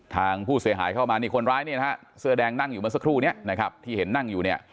ทางผู้เสียหายเข้ามาคนร้ายเสือแดงนั่งอยู่มาสักครู่นี้